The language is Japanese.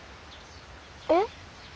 えっ？